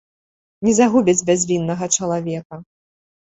Не загубяць бязвіннага чалавека!